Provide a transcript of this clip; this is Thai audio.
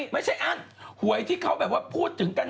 ไม่ใช่อั้นหวยที่เขาแบบว่าพูดถึงกัน